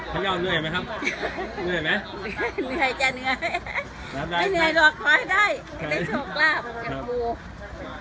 พระเวียวเหนื่อยไหมครับเหนื่อยไหมเด็กปู